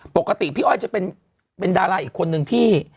ปกติพี่อ้อยจะเป็นดาราอีกคนนึงที่